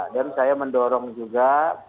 dan saya mendorong juga